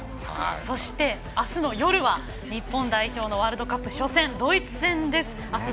そして、明日の夜は日本代表のワールドカップ初戦ドイツ戦です。